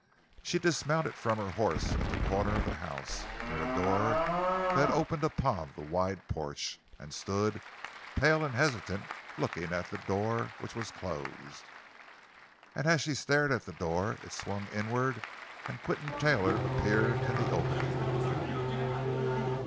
She dismounted from her horse at a corner of the house, near a door that opened upon the wide porch, and stood, pale and hesitant, looking at the door, which was closed. And as she stared at the door, it swung inward and Quinton Taylor appeared in the opening.